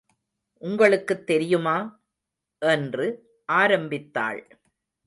உங்களுக்குத் தெரியுமா? என்று ஆரம்பித்தாள்.